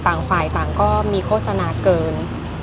ต่างฝ่ายต่างก็มีโฆษณาเกิน